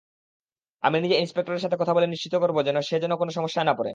আমি নিজে ইন্সপেক্টরের সাথে কথা বলে নিশ্চিত করবো যেন সে কোনও সমস্যায় না পড়ে।